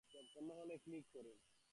দাম দিচ্ছি, বাজার থেকে কিনে আনো গে যাও।